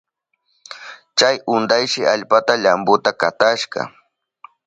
Chay untayshi allpata llamputa katashka.